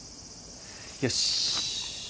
よし。